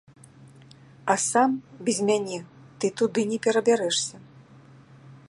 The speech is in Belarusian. А сам без мяне ты туды не перабярэшся.